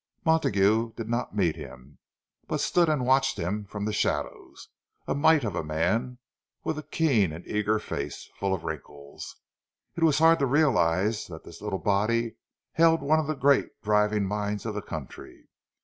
Montague did not meet him, but stood and watched him from the shadows—a mite of a man, with a keen and eager face, full of wrinkles. It was hard to realize that this little body held one of the great driving minds of the country.